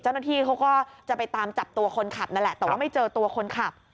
เจ้าหน้าที่เขาก็จะไปตามจับตัวคนขับนั่นแหละแต่ว่าไม่เจอตัวคนขับ